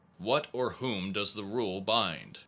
What or whom does the rule bind?